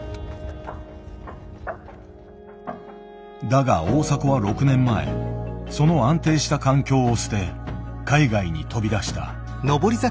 だが大迫は６年前その安定した環境を捨て海外に飛び出した。